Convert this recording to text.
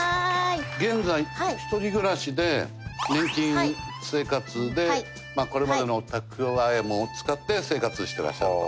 現在１人暮らしで年金生活でこれまでの蓄えも使って生活してらっしゃると。